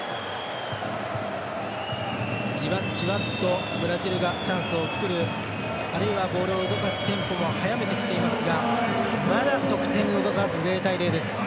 じわじわとブラジルがチャンスを作るあるいはボールを動かすテンポも速めてきていますがまだ得点動かず０対０です。